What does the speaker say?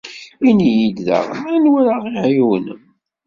Ini-yi-d daɣen anwa ara ɣ-iɛiwnen.